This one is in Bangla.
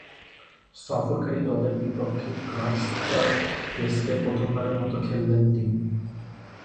সফরকারী দলের বিপক্ষে ক্রাইস্টচার্চ টেস্টে প্রথমবারের মতো খেলেন তিনি।